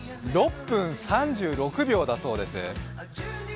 ６分３６秒だそうです。